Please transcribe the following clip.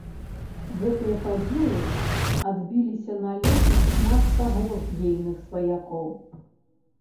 Гэтыя падзеі адбіліся на лёсе шмат каго з ейных сваякоў.